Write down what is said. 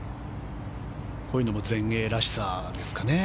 こういうのも全英らしさですかね。